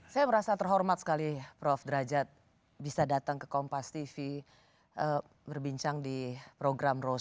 saya merasa terhormat sekali prof derajat bisa datang ke kompas tv berbincang di program rose